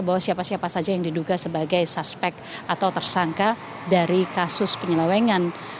bahwa siapa siapa saja yang diduga sebagai suspek atau tersangka dari kasus penyelewengan